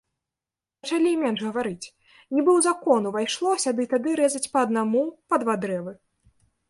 Пачалі менш гаварыць, нібы ў закон увайшло сяды-тады рэзаць па аднаму, па два дрэвы.